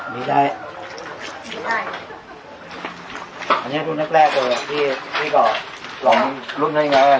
สีดีมันล้น